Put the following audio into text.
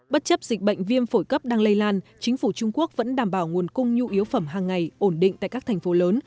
bất chấp dịch bệnh viêm phổi cấp đang lây lan chính phủ trung quốc vẫn đảm bảo nguồn cung nhu yếu phẩm hàng ngày ổn định tại các thành phố lớn